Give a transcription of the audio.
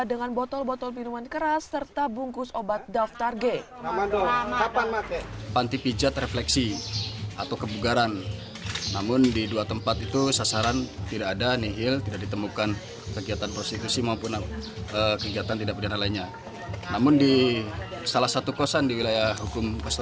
dengan botol botol minuman keras serta bungkus obat daftar g